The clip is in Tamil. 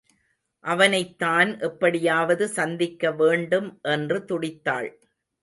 அவனைத் தான் எப்படியாவது சந்திக்க வேண்டும் என்று துடித்தாள்.